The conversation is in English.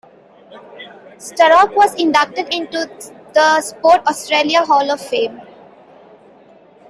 Sturrock was inducted into the Sport Australia Hall of Fame.